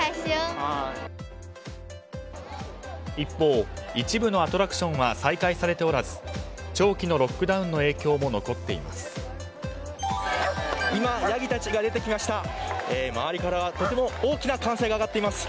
一方、一部のアトラクションは再開されておらず長期のロックダウンの影響も残っています。